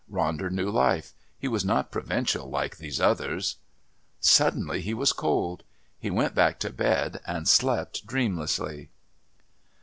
Ronder knew life. He was not provincial like these others.... Suddenly he was cold. He went back to bed and slept dreamlessly.